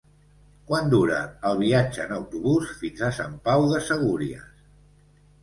Quant dura el viatge en autobús fins a Sant Pau de Segúries?